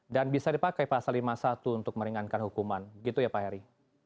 dan bisa dipakai pasal lima puluh satu untuk meringankan hukuman gitu ya pak heri